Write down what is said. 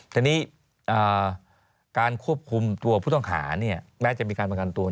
ทีนี้การควบคุมตัวผู้ต้องหาแม้จะมีการประกันตัว